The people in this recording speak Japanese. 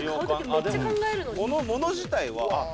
でも、物自体は、あっ。